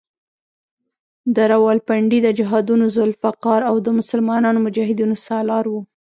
د راولپنډۍ د جهادونو ذوالفقار او د مسلمانو مجاهدینو سالار وو.